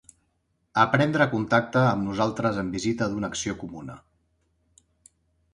A prendre contacte amb nosaltres en vista d'una acció comuna.